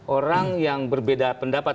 orang yang berbeda pendapat